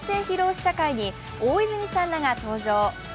試写会に大泉さんらが登場。